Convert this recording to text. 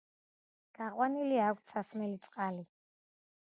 გაყვანილი აქვთ სასმელი წყალი.